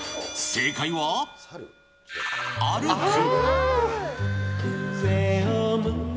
正解は、歩く。